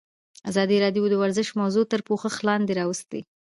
ازادي راډیو د ورزش موضوع تر پوښښ لاندې راوستې.